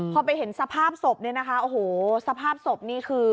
พอไปเห็นสภาพศพเนี่ยนะคะโอ้โหสภาพศพนี่คือ